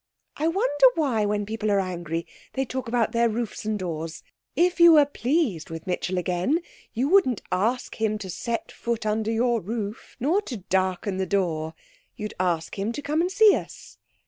'I wonder why, when people are angry, they talk about their roofs and doors? If you were pleased with Mitchell again, you wouldn't ask him to set foot under your roof nor to darken the door. You'd ask him to come and see us.